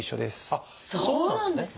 あっそうなんですね。